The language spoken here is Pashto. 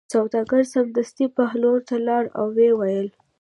سوداګر سمدستي بهلول ته لاړ او ویې ویل.